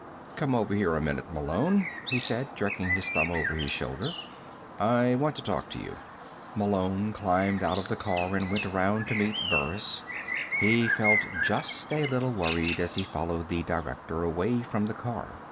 "Come over here a minute, Malone," he said, jerking his thumb over his shoulder. "I want to talk to you." Malone climbed out of the car and went around to meet Burris. He felt just a little worried as he followed the Director away from the car.